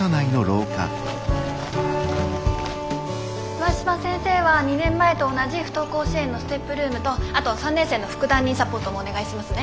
上嶋先生は２年前と同じ不登校支援のＳＴＥＰルームとあとは３年生の副担任サポートもお願いしますね。